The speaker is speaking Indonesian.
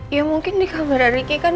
ya mungkin di kamar riki kan